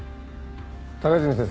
高泉先生